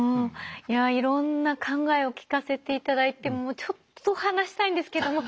いろんな考えを聞かせていただいてもうちょっと話したいんですけども。